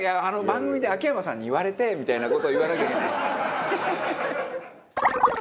「番組で秋山さんに言われて」みたいな事を言わなきゃいけない。